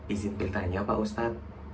izin ditanya pak ustadz